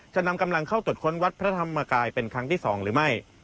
จะนำกำลังเข้าตรวจค้นวัดพระธรรมกายเป็นครั้งที่๒หรือไม่